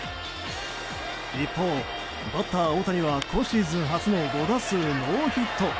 一方、バッター大谷は今シーズン初の５打数ノーヒット。